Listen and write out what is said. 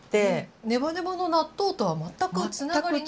ネバネバの納豆とは全くつながりなく。